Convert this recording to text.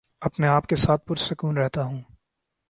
اپنے آپ کے ساتھ پرسکون رہتا ہوں